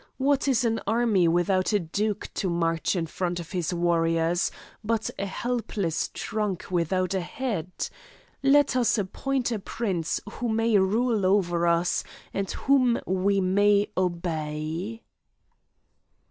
What is an army without a duke to march in front of his warriors, but a helpless trunk without a head? Let us appoint a prince who may rule over us, and whom we may obey."